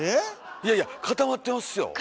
いやいや固まってます。